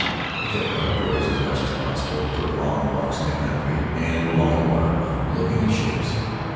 I kept out of doors as much as possible, took long walks in the country and along the waterfront looking at ships.